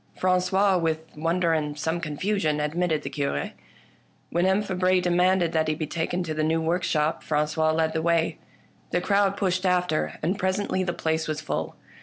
Frangois, with wonder and some confusion, ad mitted the Cure. When M. Fabre demanded that he be taken to the new workshop, Frangois led the way. The crowd pushed after, and presently the place was full.